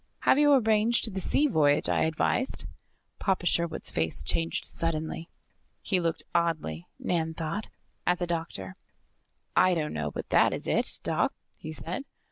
Have you arranged the sea voyage I advised?" Papa Sherwood's face changed suddenly. He looked oddly, Nan thought, at the doctor. "I don't know but that is it, Doc," he said.